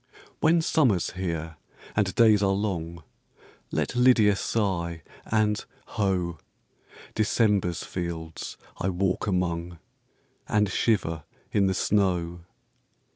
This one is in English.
When Summer's here and days are long, Let LYDIA sigh and, ho! December's fields I walk among, And shiver in the snow.